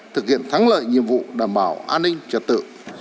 thực hiện thắng lợi nhiệm vụ đảm bảo an ninh trật tự